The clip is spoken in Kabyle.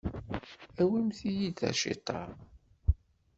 Awimt-iyi-d taciṭa.